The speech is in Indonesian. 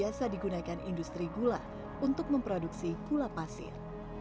biasa digunakan industri gula untuk memproduksi gula pasir